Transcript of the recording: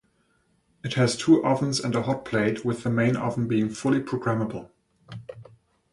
It has two ovens and a hotplate, with the main oven being fully programmable.